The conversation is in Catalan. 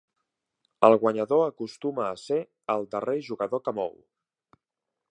El guanyador acostuma a ser el darrer jugador que mou.